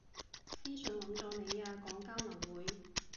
私訊搵咗你啊，講交流會